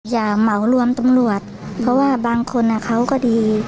เหมารวมตำรวจเพราะว่าบางคนเขาก็ดี